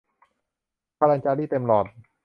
พลังจารีตเต็มหลอด